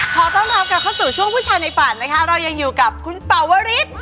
ขอต้อนรับกลับเข้าสู่ช่วงผู้ชายในฝันนะคะเรายังอยู่กับคุณเป่าวริส